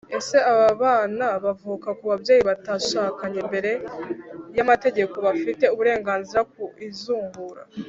ese abana bavuka ku babyeyi batashakanye imbere y’amategako bafite uburenganzira ku izungura?